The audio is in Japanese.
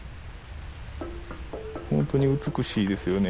ほんとに美しいですよね